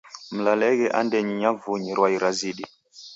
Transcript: Mlalenghe andenyi nyavunyi rwai razidi.